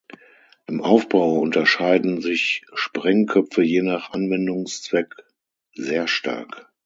Im Aufbau unterscheiden sich Sprengköpfe je nach Anwendungszweck sehr stark.